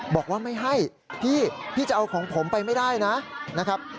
บอกว่าไม่ให้พี่พี่จะเอาของผมไปไม่ได้นะครับ